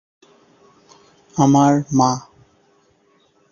কোনো সংবাদ পাননি।